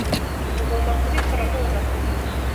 Ugomba kubikora nonaha.